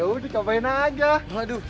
ya udah nyobain aja